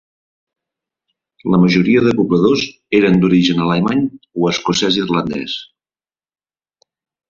La majoria de pobladors eren d'origen alemany o escocès-irlandès.